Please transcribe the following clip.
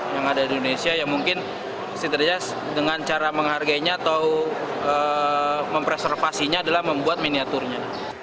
yang ada di indonesia yang mungkin setidaknya dengan cara menghargainya atau mempreservasinya adalah membuat miniaturnya